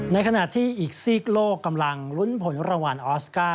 ในขณะที่อีกซีกโลกกำลังลุ้นผลรางวัลออสการ์